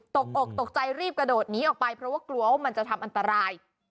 อกตกใจรีบกระโดดหนีออกไปเพราะว่ากลัวว่ามันจะทำอันตราย